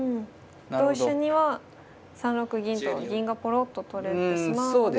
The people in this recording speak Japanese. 同飛車には３六銀と銀がポロッと取られてしまうので。